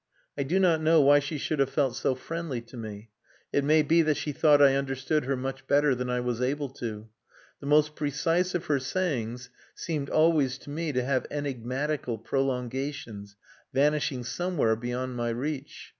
I do not know why she should have felt so friendly to me. It may be that she thought I understood her much better than I was able to do. The most precise of her sayings seemed always to me to have enigmatical prolongations vanishing somewhere beyond my reach.